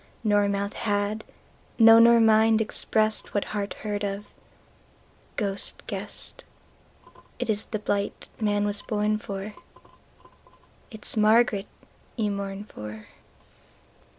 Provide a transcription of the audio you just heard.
Nor mouth had, no nor mind, expressedWhat heart heard of, ghost guessed:It ís the blight man was born for, It is Margaret you mourn for.